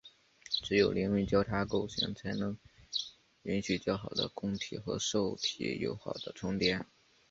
只有邻位交叉构型才能允许较好的供体与受体有好的重叠。